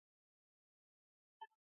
نفت د افغانستان د جغرافیې بېلګه ده.